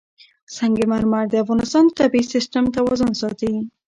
سنگ مرمر د افغانستان د طبعي سیسټم توازن ساتي.